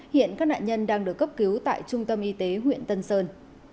hiện các nạn nhân đang được cấp cứu tại trung tâm y tế huyện tân sơn